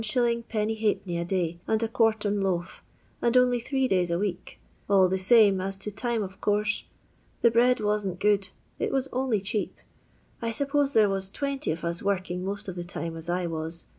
l^d, a day and a quartern loaf, and only three days a week. All the same as to time of course. The bread wasn't good; it was only cheap. I suppose there was 20 of us working most of the times as I was.